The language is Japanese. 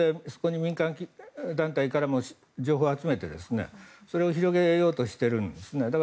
そこに民間団体からも情報を集めて、それを広げようとしているんですね。